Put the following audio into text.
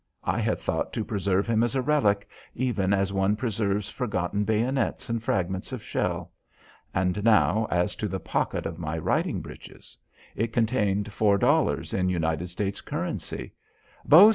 I had thought to preserve him as a relic, even as one preserves forgotten bayonets and fragments of shell. And now as to the pocket of my riding breeches. It contained four dollars in United States currency. Bos'n!